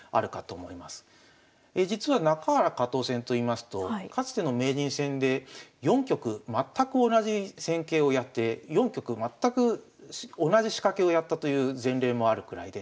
実は中原加藤戦といいますとかつての名人戦で４局全く同じ戦型をやって４局全く同じ仕掛けをやったという前例もあるくらいで。